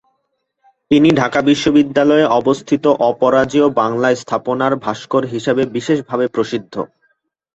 তিনি ঢাকা বিশ্ববিদ্যালয়ে অবস্থিত অপরাজেয় বাংলা স্থাপনার ভাস্কর হিসেবে বিশেষভাবে প্রসিদ্ধ।